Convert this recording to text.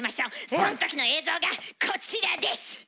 その時の映像がこちらです！